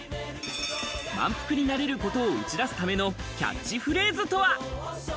満腹になれることを打ち出すためのキャッチフレーズとは？